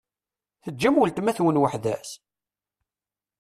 Teǧǧam weltma-twen weḥd-s?